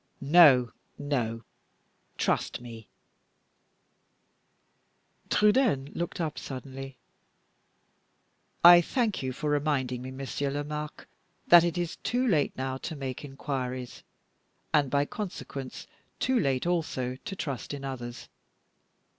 No! no! trust me " Trudaine looked up suddenly. "I thank you for reminding me, Monsieur Lomaque, that it is too late now to make inquiries, and by consequence too late also to trust in others.